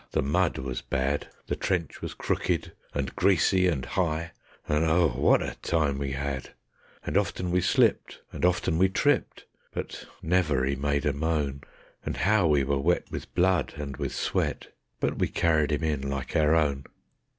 _ The mud was bad; The trench was crooked and greasy and high, and oh, what a time we had! And often we slipped, and often we tripped, but never he made a moan; And how we were wet with blood and with sweat! but we carried him in like our own.